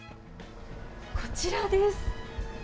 こちらです。